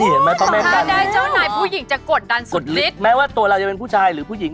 ย่ายเป็นผู้หญิง